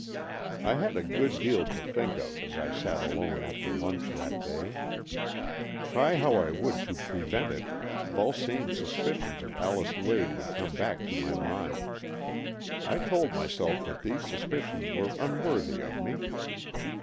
I had a good deal to think of, as I sat alone after lunch that day. Try how I would to prevent it, Vulsame's suspicions of Alice Lade would come back to my mind. I told myself that these suspicions were unworthy of me.